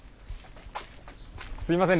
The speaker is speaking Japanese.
すいません